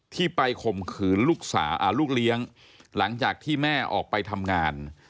ที่ไปข่มขืนลูกสาวลูกเลี้ยงหลังจากที่แม่ออกไปทำงาน